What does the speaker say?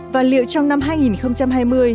và liệu trong năm hai nghìn hai mươi